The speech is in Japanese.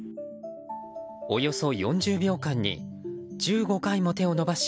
およそ４０秒間に１５回も手を伸ばし